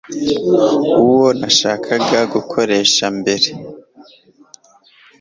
uwo nashakaga gukoresha mbere